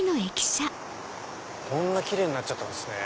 こんな奇麗になっちゃったんですね。